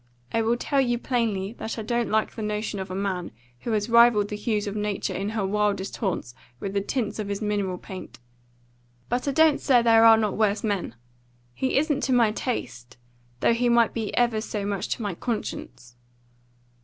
I will tell you plainly that I don't like the notion of a man who has rivalled the hues of nature in her wildest haunts with the tints of his mineral paint; but I don't say there are not worse men. He isn't to my taste, though he might be ever so much to my conscience."